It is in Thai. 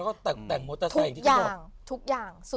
ทุกอย่างทุกอย่าง